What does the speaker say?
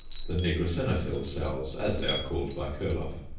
The "=nigrosinophil cells=," as they are called by Kurloff.